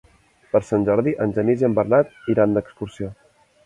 Per Sant Jordi en Genís i en Bernat iran d'excursió.